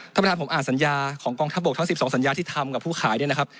ท่านประธานผมอ่านสัญญาของกองทัพบกทั้ง๑๒สัญญาที่ทำกับผู้ขายเนี่ยนะครับ